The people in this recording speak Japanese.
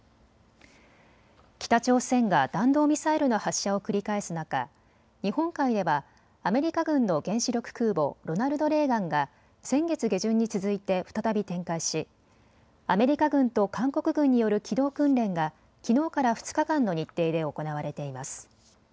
北朝鮮が弾道ミサイルの発射を繰り返す中、日本海ではアメリカ軍の原子力空母ロナルド・レーガンが先月下旬に続いて再び展開しアメリカ軍と韓国軍による機動訓練がきのうから２日間の日程で行われています。